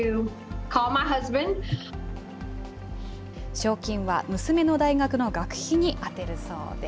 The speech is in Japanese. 賞金は娘の大学の学費に充てるそうです。